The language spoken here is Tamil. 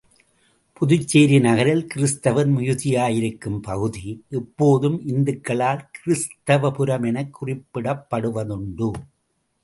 புதுச்சேரி நகரில் கிறித்துவர் மிகுதியாயிருக்கும் பகுதி, இப்போதும் இந்துக்களால் கிறிஸ்தவபுரம் எனக் குறிப்பிடப்படுவதுண்டு.